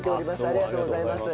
ありがとうございます。